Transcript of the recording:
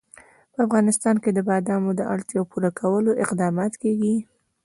په افغانستان کې د بادامو د اړتیاوو پوره کولو اقدامات کېږي.